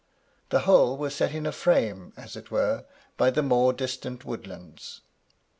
The whole was set in a frame, as it were, by the more distant woodlands.